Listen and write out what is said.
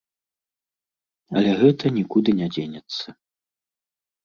Але гэта нікуды не дзенецца.